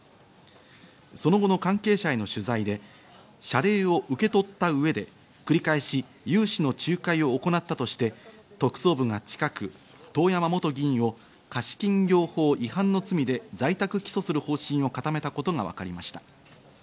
その後の関係者への取材で謝礼を受け取った上で、繰り返し融資の仲介を行ったとして、特捜部が近く遠山元議員を貸金業法違反の罪で在宅起訴する方針を固めたことがわかりました。